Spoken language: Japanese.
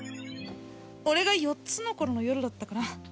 俺が４つの頃の夜だったかな